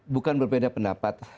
bukan berbeda pendapat